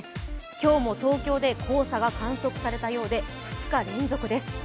今日も東京で黄砂が観測されたようで、２日連続です。